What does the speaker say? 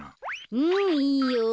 うんいいよ。